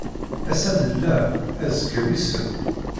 Ass-a nella, azekka wissen.